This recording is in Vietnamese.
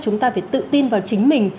chúng ta phải tự tin vào chính mình